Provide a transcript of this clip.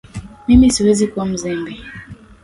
Mimi siwezi kuwa mzembe